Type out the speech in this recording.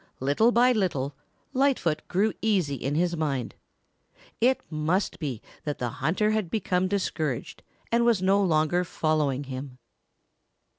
Little by little Lightfoot grew easy in his mind. It must be that that hunter had become discouraged and was no longer following him.